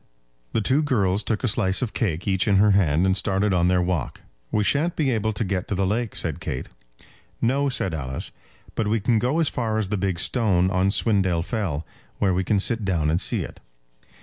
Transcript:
The two girls took a slice of cake each in her hand, and started on their walk. "We shan't be able to get to the lake," said Kate. "No," said Alice; "but we can go as far as the big stone on Swindale Fell, where we can sit down and see it."